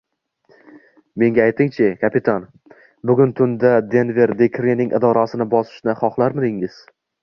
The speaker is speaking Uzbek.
Menga ayting-chi, kapitan, bugun tunda Denver Dikning idorasini bosishni xohlarmidingiz